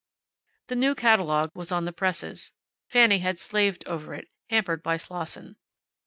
The new catalogue was on the presses. Fanny had slaved over it, hampered by Slosson.